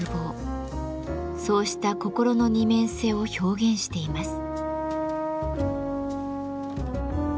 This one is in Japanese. そうした心の二面性を表現しています。